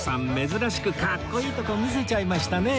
珍しくかっこいいとこ見せちゃいましたね